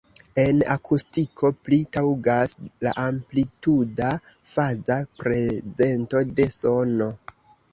En akustiko pli taŭgas la amplituda-faza prezento de sono.